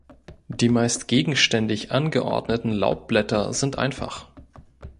Die meist gegenständig angeordneten Laubblätter sind einfach.